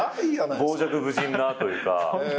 傍若無人なというか。